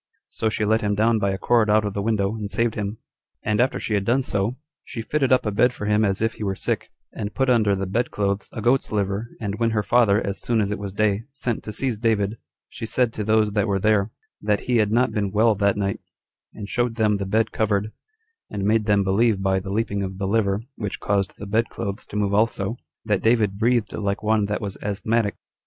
So she let him down by a cord out of the window, and saved him: and after she had done so, she fitted up a bed for him as if he were sick, and put under the bed clothes a goat's liver 18 and when her father, as soon as it was day, sent to seize David, she said to those that were there, That he had not been well that night, and showed them the bed covered, and made them believe, by the leaping of the liver, which caused the bed clothes to move also, that David breathed like one that was asthmatic.